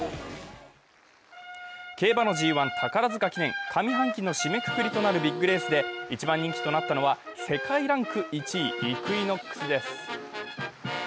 競馬のＧⅠ・宝塚記念、上半期の締めくくりとなるビッグレースで一番人気となったのは世界ランク１位、イクイノックスです。